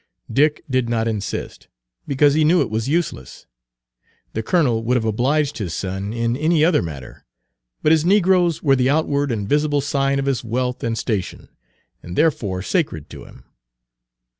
Dick did not insist, because he knew it was useless. The colonel would have obliged his son in any other matter, but his negroes were the outward and visible sign of his wealth and station, and therefore sacred to him.